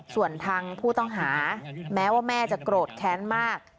ส่วนทางผู้ต้องหาแม้ว่าแม่จะโกรธแค้นมาก